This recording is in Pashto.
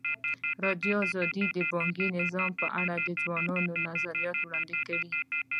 ازادي راډیو د بانکي نظام په اړه د ځوانانو نظریات وړاندې کړي.